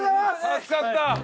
助かった！